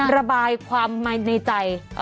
ระบายความในใจ